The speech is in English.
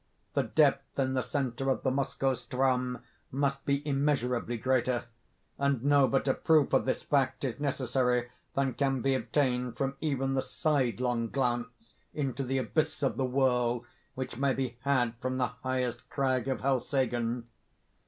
The depth in the centre of the Moskoe ström must be immeasurably greater; and no better proof of this fact is necessary than can be obtained from even the sidelong glance into the abyss of the whirl which may be had from the highest crag of Helseggen.